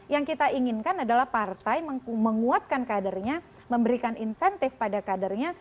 yang kita inginkan adalah partai menguatkan kadernya memberikan insentif pada kadernya